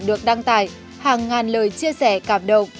được đăng tải hàng ngàn lời chia sẻ cảm động